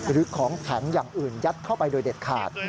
หรือของแข็งอย่างอื่นยัดเข้าไปโดยเด็ดขาด